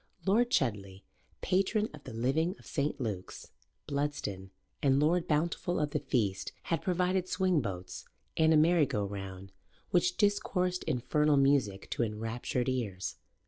Lord Chudley, patron of the living of St. Luke's, Bludston, and Lord Bountiful of the feast, had provided swing boats and a merry go round which discoursed infernal music to enraptured ears.